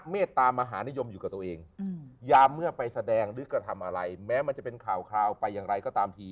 เราก็ทะลึ่งอะไรอย่างนี้แบบมีพี่ผู้ชายอะไรอย่างนี้